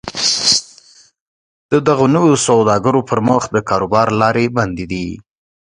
د دغو نویو سوداګرو پر مخ د کاروبار لارې بندې کړي